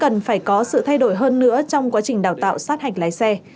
chúng ta cần phải có sự thay đổi hơn nữa trong quá trình đào tạo sát hạch lấy xe